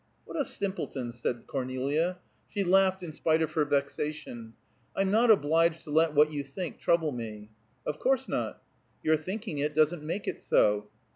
"What a simpleton!" said Cornelia. She laughed in spite of her vexation. "I'm not obliged to let what you think trouble me." "Of course not." "Your thinking it doesn't make it so."